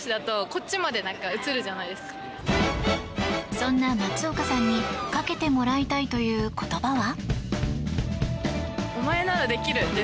そんな松岡さんにかけてもらいたいという言葉は。